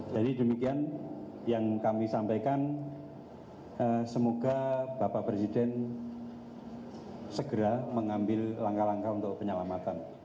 jadi demikian yang kami sampaikan semoga bapak presiden segera mengambil langkah langkah untuk penyelamatan